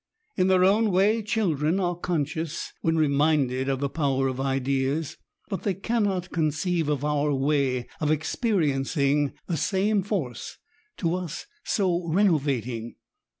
In their own way, children are conscious, when reminded, of the power of ideas ; but they cannot conceive of our way of experiencing the same force — to us so renovating